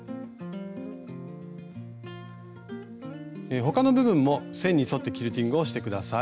他の部分も線に沿ってキルティングをして下さい。